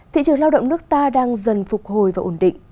thị trường lao động nước ta đang dần phục hồi và ổn định